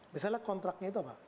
misalnya kontraknya itu apa